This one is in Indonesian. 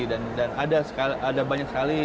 dan ada banyak sekali